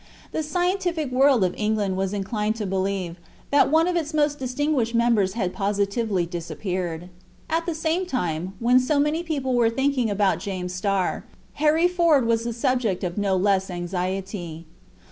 The scientific world of England was inclined to believe that one of its most distinguished members had positively disappeared. At the same time, when so many people were thinking about James Starr, Harry Ford was the subject of no less anxiety.